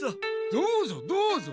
どうぞどうぞ。